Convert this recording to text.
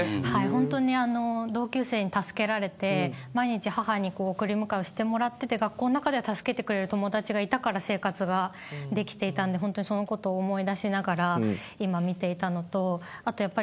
本当に同級生に助けられて毎日母に送り迎えをしてもらっていて学校の中では助けてくれる友達がいたから生活ができていたんで本当にそのことを思い出しながら今、見ていたのとあと